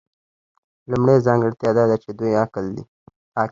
لومړۍ ځانګړتیا دا ده چې دوی عاقل دي.